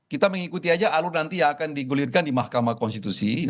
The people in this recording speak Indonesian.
kita mengikuti aja alur nanti yang akan digulirkan di mahkamah konstitusi